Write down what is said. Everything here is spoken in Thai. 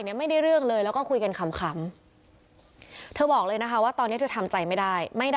ไม่ได้เรื่องเลยแล้วก็คุยกันขำเธอบอกเลยนะคะว่าตอนนี้เธอทำใจไม่ได้ไม่ได้